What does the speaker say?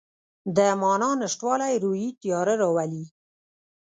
د معنی نشتوالی روحي تیاره راولي.